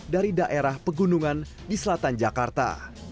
dari daerah pegunungan di selatan jakarta